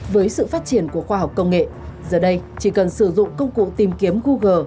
với sự phát triển của khoa học công nghệ giờ đây chỉ cần sử dụng công cụ tìm kiếm google